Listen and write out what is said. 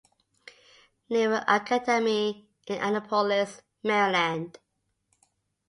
Naval Academy in Annapolis, Maryland.